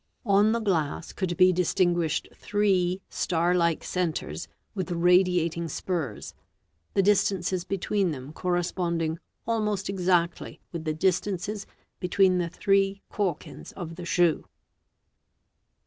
On the glass could be distinguished three star like centres with radiating spurs, the distances between them correspond. — ing almost exactly with the distances" between the three calkins of the shoe.